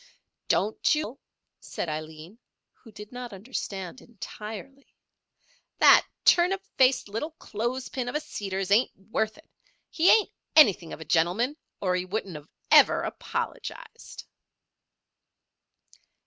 "Don't you fret, Til," said Aileen, who did not understand entirely. "That turnip faced little clothespin of a Seeders ain't worth it. He ain't anything of a gentleman or he wouldn't ever of apologised."